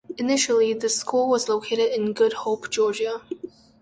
Initially, the school was located in Good Hope, Georgia.